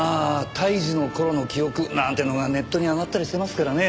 「胎児の頃の記憶」なんていうのがネットに上がったりしてますからね。